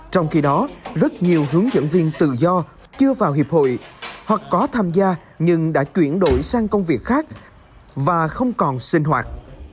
trong khi đó rất nhiều hướng dẫn viên tự do chưa vào hiệp hội hoặc có tham gia nhưng đã chuyển đổi sang công việc khác và không còn sinh hoạt